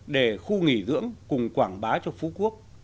để khu nghỉ dưỡng cùng quảng bá cho phú quốc